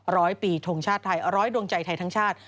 ร้อยปีทงชาติไทยร้อยดวงใจไทยทั้งชาติ